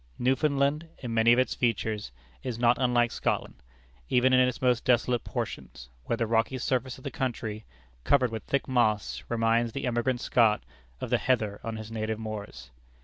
Newfoundland, in many of its features, is not unlike Scotland, even in its most desolate portions, where the rocky surface of the country, covered with thick moss, reminds the emigrant Scot of the heather on his native moors.